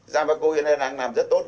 giang bạc cô hiện nay đang làm rất tốt